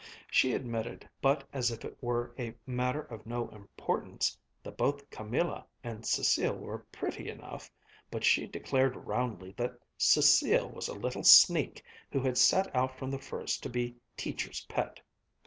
She admitted, but as if it were a matter of no importance, that both Camilla and Cécile were pretty enough, but she declared roundly that Cécile was a little sneak who had set out from the first to be "Teacher's pet."